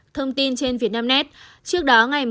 thông tin trên vietnamnet trước đó ngày một mươi tám tháng hai